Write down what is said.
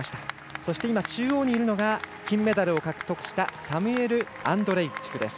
そして中央にいるのが金メダルを獲得したサムエル・アンドレイチクです。